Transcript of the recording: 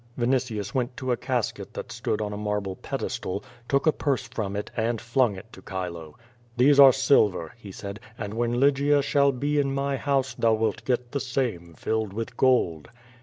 Vinitius went to a casket that stood on a marble pedestal, took a purse from it, and flung it to Chilo. "These are silver," he said, "and when Lygia shall be in my house thou wilt get the same filled with gold."